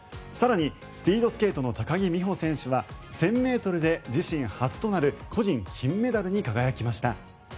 更にスピードスケートの高木美帆選手は１０００ｍで自身初となる個人金メダルに輝きました。